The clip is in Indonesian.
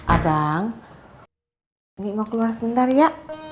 abang ini mau keluar sebentar ya